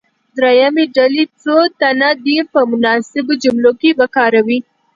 دریمې ډلې څو تنه دې په مناسبو جملو کې وکاروي.